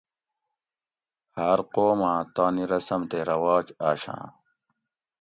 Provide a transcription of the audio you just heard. ھاۤر قوماۤن تانی رسم تے رواج آشاں